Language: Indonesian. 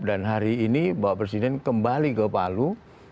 dan hari ini bapak presiden kembali ke palu